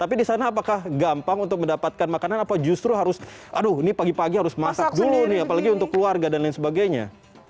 tapi di sana apakah gampang untuk mendapatkan makanan atau justru harus aduh ini pagi pagi harus masak dulu nih apalagi untuk keluarga dan lain sebagainya